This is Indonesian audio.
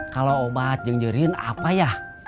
kalo obat jengjerihan apa yah